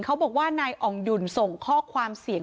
เขาบอกว่านายอ่องหยุ่นส่งข้อความเสียง